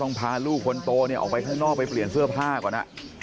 พาลูกคนโตเนี่ยออกไปข้างนอกไปเปลี่ยนเสื้อผ้าก่อน